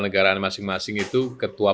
negara masing masing itu ketua